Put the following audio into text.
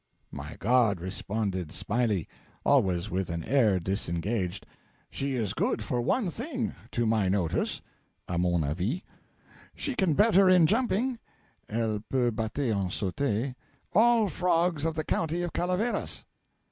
'My God!' responded Smiley, always with an air disengaged, 'she is good for one thing, to my notice (a mon avis), she can better in jumping (elle peut batter en sautant) all frogs of the county of Calaveras.'